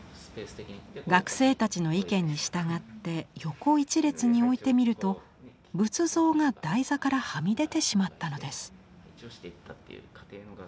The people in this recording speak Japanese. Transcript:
学生たちの意見にしたがって横一列に置いてみると仏像が台座からはみ出てしまったのです。